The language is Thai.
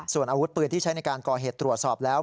ส่วนอาวุธปืนที่ใช้ในการก่อเหตุตรวจสอบแล้ว